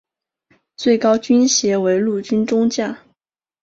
最高军衔为陆军中将。